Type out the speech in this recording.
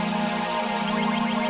di balik dinding ini